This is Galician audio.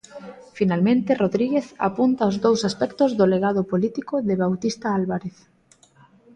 Finalmente, Rodríguez apunta os dous aspectos do legado político de Bautista Álvarez.